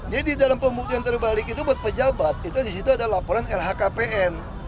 dalam pembuktian terbalik itu buat pejabat itu disitu ada laporan lhkpn